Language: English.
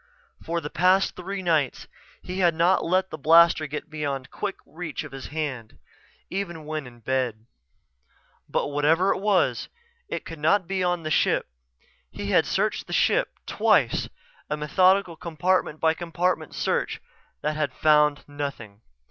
For the past three nights he had not let the blaster get beyond quick reach of his hand, even when in bed. But whatever it was, it could not be on the ship. He had searched the ship twice, a methodical compartment by compartment search that had found nothing.